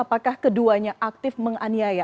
apakah keduanya aktif menganiaya